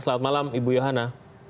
selamat malam ibu yohana